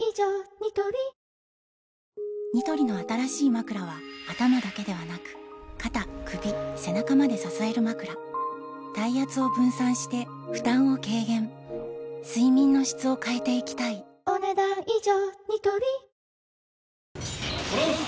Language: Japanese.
ニトリニトリの新しいまくらは頭だけではなく肩・首・背中まで支えるまくら体圧を分散して負担を軽減睡眠の質を変えていきたいお、ねだん以上。